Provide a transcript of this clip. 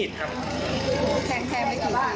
ตะเลาะกันครับ